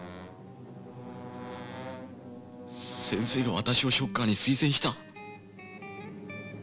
先生が私をショッカーに推薦した。